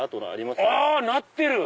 あなってる！